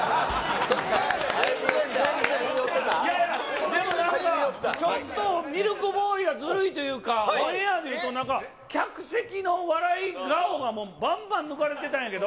いやいやいや、でもなんか、ちょっとミルクボーイはずるいというか、オンエアで、客席の笑い顔がもうばんばん抜かれてたんやけど。